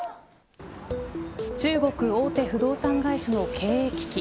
中国大手不動産会社の経営危機